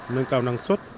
nâng cao năng suất